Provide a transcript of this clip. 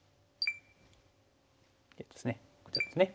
こちらですね。